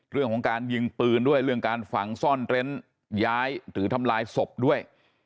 เรื่องของการยิงปืนด้วยเรื่องการฝังซ่อนเร้นย้ายหรือทำลายศพด้วย